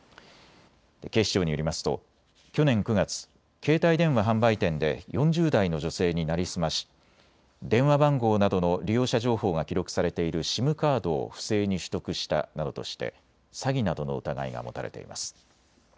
警視庁によりますと去年９月、携帯電話販売店で４０代の女性に成り済まし電話番号などの利用者情報が記録されているＳＩＭカードを不正に取得したなどとして詐欺などの疑いが持たれています。